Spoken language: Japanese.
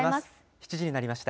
７時になりました。